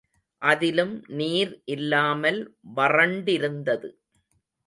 அதிலும் நீர் இல்லாமல் வறண்டிருந்தது.